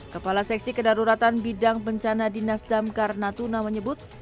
kepala seksi kedaruratan bidang bencana dinas damkar natuna menyebut